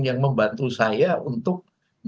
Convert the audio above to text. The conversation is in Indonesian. yang membantu saya untuk